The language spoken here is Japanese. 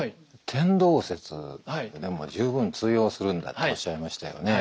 天動説でも十分通用するんだっておっしゃいましたよね。